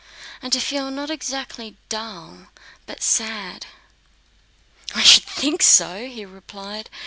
And to feel not exactly dull, but sad?" "I should think so!" he replied.